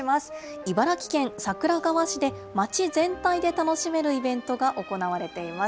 茨城県桜川市で街全体で楽しめるイベントが行われています。